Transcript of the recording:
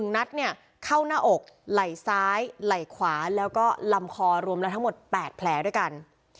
๑นัดเนี่ยเข้าหน้าอกไหล่ซ้ายไหล่ขวาแล้วก็ลำคอรวมแล้วทั้งหมด๘แผลด้วยกัน